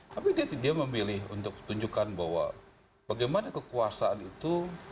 tapi dia memilih untuk tunjukkan bahwa bagaimana kekuasaan itu